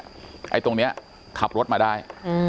ไอ้ตรงนี้ขับรถมาได้